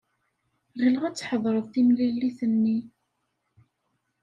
Ɣileɣ ad tḥedṛeḍ timlilit-nni.